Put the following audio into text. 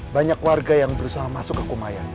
banyak warga yang berusaha masuk ke kumayan